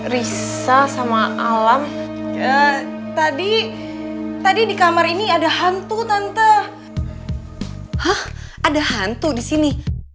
risa sama alam tadi tadi di kamar ini ada hantu tante hah ada hantu di sini